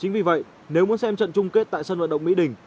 chính vì vậy nếu muốn xem trận chung kết tại sân vận động mỹ đình